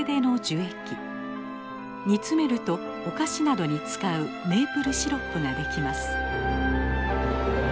煮詰めるとお菓子などに使うメープルシロップができます。